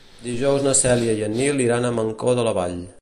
Dijous na Cèlia i en Nil iran a Mancor de la Vall.